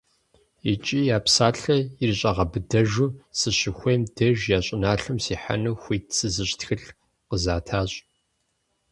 ИкӀи я псалъэр ирищӀагъэбыдэжу, сыщыхуейм деж я щӀыналъэм сихьэну хуит сызыщӀ тхылъ къызатащ.